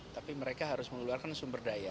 tapi mereka harus mengeluarkan sumber daya